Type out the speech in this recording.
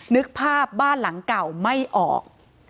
นึกภาพบ้านหลังเก่าไม่ออก